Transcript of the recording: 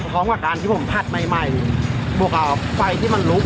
พร้อมกับการที่ผมผัดใหม่ใหม่บวกกับไฟที่มันลุก